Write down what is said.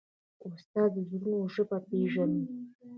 استاد د زړونو ژبه پېژني.